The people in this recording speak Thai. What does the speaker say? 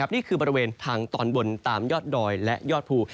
บริเวณทางตอนบนตามยอดดอยและยอดภู